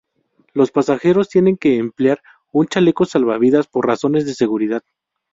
Los pasajeros tienen que emplear un chaleco salvavidas por razones de seguridad.